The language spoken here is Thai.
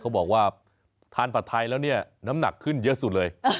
เขาบอกว่าทานผัดไทยแล้วเนี่ยน้ำหนักขึ้นเยอะสุดเลย